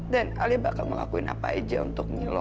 dan alia bakal melakuin apa aja untuk milo